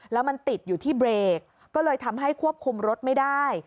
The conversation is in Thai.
แล้วมันติดอยู่ที่เบรกก็เลยทำให้ควบคุมรถไม่ได้